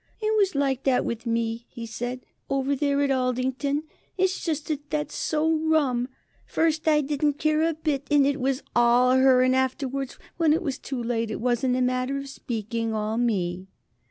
"It was like that with me," he said, "over there at Aldington. It's just that that's so rum. First I didn't care a bit and it was all her, and afterwards, when it was too late, it was, in a manner of speaking, all me."